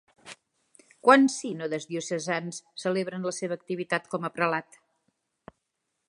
Quants sínodes diocesans celebra en la seva activitat com a prelat?